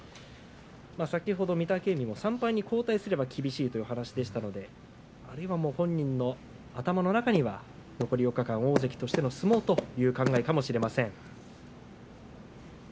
先ほど御嶽海も３敗に後退すれば厳しいというお話でしたのであるいは本人の頭の中には残り４日間、大関としての相撲という考えかもしれません。